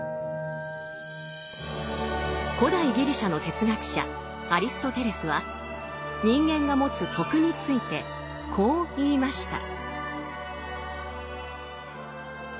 古代ギリシャの哲学者アリストテレスは人間が持つ「徳」についてこう言いました。